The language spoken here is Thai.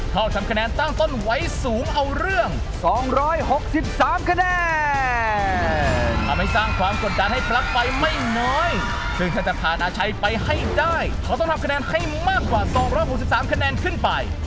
เขาต้องทำคะแนนให้มากกว่า๒๖๓คะแนนขึ้นไป